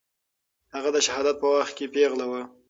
هغه د شهادت په وخت پېغله وه.